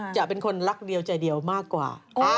จะเป็นคนรักเดียวใจเดียวมากกว่า